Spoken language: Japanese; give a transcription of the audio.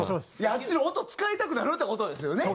あっちの音使いたくなるって事ですよね。